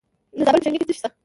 د زابل په شنکۍ کې څه شی شته؟